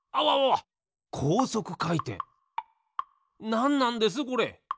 なんなんですこれ？